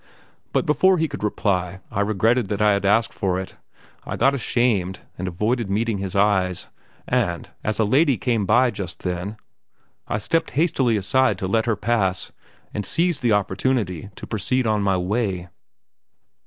But before he could reply I regretted that I had asked for it. I got ashamed and avoided meeting his eyes, and, as a lady came by just then, I stepped hastily aside to let her pass, and seized the opportunity to proceed on my way.